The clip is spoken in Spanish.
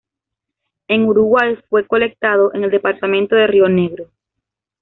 En Uruguay fue colectado en el departamento de Río Negro.